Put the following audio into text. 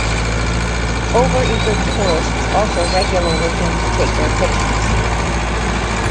Overeager tourists also regularly came to take their pictures.